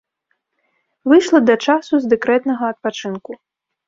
Выйшла да часу з дэкрэтнага адпачынку.